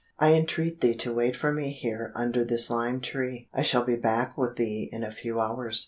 I entreat thee to wait for me here under this lime tree, I shall be back with thee in a few hours."